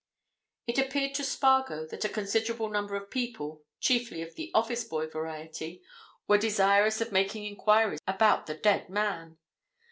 It appeared to Spargo that a considerable number of people, chiefly of the office boy variety, were desirous of making enquiries about the dead man.